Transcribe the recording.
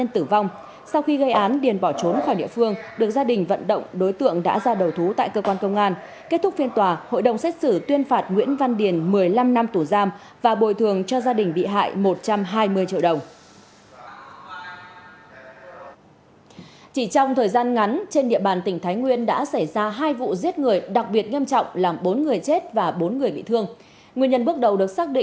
từ đầu năm hai nghìn một mươi tám đến nay trên địa bàn tỉnh thái nguyên đã xảy ra một mươi năm vụ chết người